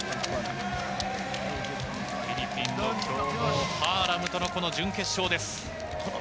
フィリピンの強豪・パアラムとのこの準決勝です。